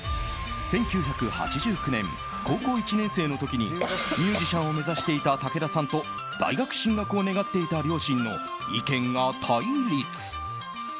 １９８９年、高校１年生の時にミュージシャンを目指していた武田さんと大学進学を願っていた両親の意見が対立。